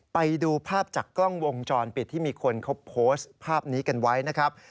ไปดูภาพจากกล้องวงจรปิดที่มีคนเขาโพสต์ภาพนี้กันไว้นะครับ